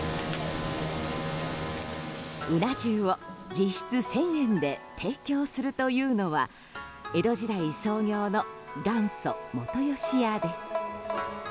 うな重を実質１０００円で提供するというのは江戸時代創業の元祖本吉屋です。